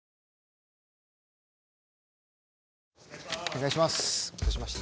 お願いします！